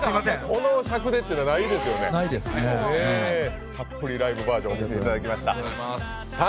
この尺でってないですよね、たっぷりライブバージョンをしていただきました。